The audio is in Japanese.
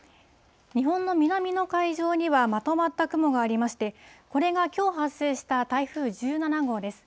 日本の南の海上には、まとまった雲がありまして、これがきょう発生した台風１７号です。